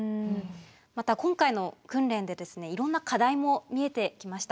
また今回の訓練でいろんな課題も見えてきました。